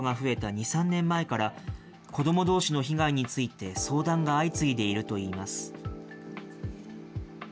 ２、３年前から、子どもどうしの被害について相談が相次いでいるといいます。